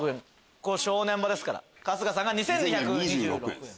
ここ正念場ですから春日さんが２２２６円。